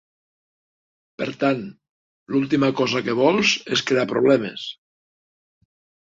Per tant, l'última cosa que vols és crear problemes.